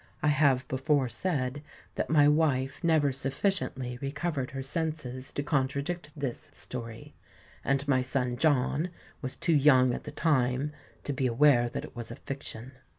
I have before said that my wife never sufficiently recovered her senses to contradict this story; and my son John was too young at the time to be aware that it was a fiction."